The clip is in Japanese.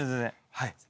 はい。